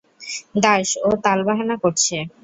দাস, ও তালবাহানা করছে।